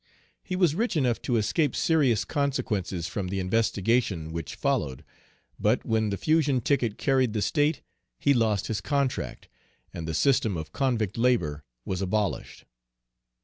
He was rich enough to escape serious consequences from the investigation which followed, but when the Fusion ticket carried the state he lost his contract, and the system of convict labor was abolished.